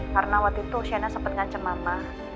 karena waktu itu sienna sempet ngancam mama